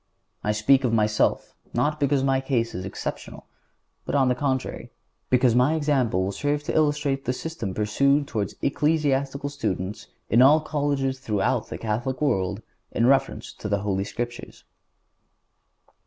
I speak of myself, not because my case is exceptional, but, on the contrary, because my example will serve to illustrate the system pursued toward ecclesiastical students in all colleges throughout the Catholic world in reference to the Holy Scriptures.